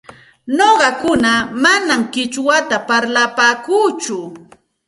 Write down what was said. Nuqaku manam qichwata parlapaakuuchu,